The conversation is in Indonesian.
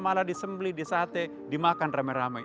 malah disembeli disate dimakan ramai ramai